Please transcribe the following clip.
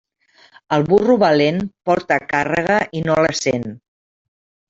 El burro valent porta càrrega i no la sent.